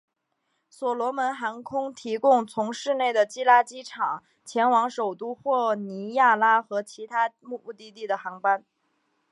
所罗门航空提供从市内的基拉基拉机场前往首都霍尼亚拉和其他目的地的航班。